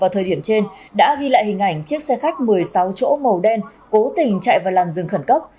thời điểm trên đã ghi lại hình ảnh chiếc xe khách một mươi sáu chỗ màu đen cố tình chạy vào làn rừng khẩn cấp